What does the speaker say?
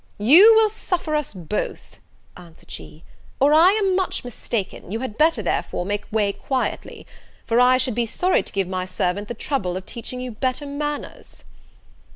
"You will suffer us both," answered she, "or I am much mistaken: you had better, therefore, make way quietly; for I should be sorry to give my servant the trouble of teaching you better manners."